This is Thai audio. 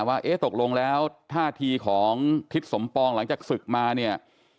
ว่าเอ๊ะตกลงแล้วท่าทีของทิศสมปองหลังจากศึกมาเนี่ย